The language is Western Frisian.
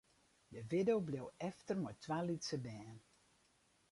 De widdo bleau efter mei twa lytse bern.